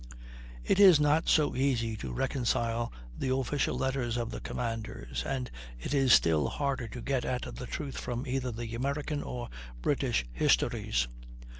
It is not too easy to reconcile the official letters of the commanders, and it is still harder to get at the truth from either the American or British histories.